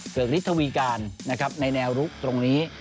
เกิดฤทธวีการในแนวลุกตรงนี้